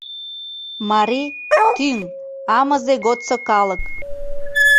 — Марий — тӱҥ, амызе годсо калык.